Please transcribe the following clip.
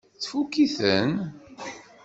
Tfukk-iten?